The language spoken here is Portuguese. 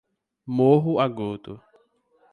Morro Agudo